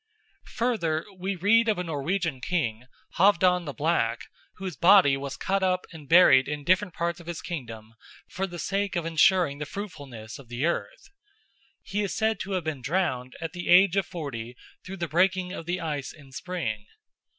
Further, we read of a Norwegian king, Halfdan the Black, whose body was cut up and buried in different parts of his kingdom for the sake of ensuring the fruitfulness of the earth. He is said to have been drowned at the age of forty through the breaking of the ice in spring.